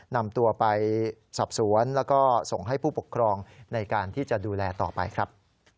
นำตัวไปสอบสวนแล้วก็ส่งให้ผู้ปกครองในการที่จะดูแลต่อไปครับ